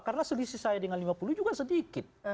karena selisih saya dengan lima puluh juga sedikit